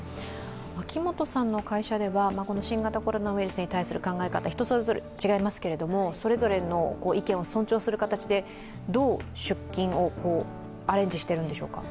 秋元さんの会社では新型コロナウイルスに対する考え方、人それぞれ違いますけれども、それぞれの意見を尊重する形でどう出勤をアレンジしてるんでしょうか？